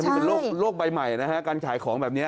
นี่เป็นโรคใบใหม่นะฮะการขายของแบบนี้